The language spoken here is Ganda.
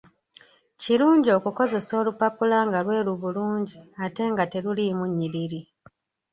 Kirungi okukozesa olupapula nga lweru bulungi ate nga teluliimu nnyiriri.